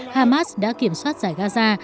hamas đã kiểm soát giải gaza